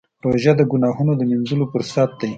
روژه د ګناهونو د مینځلو فرصت دی.